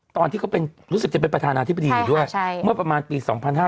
ตอนที่เขารู้สึกจะเป็นประธานาธิบดีอยู่ด้วยเมื่อประมาณปี๒๕๕๙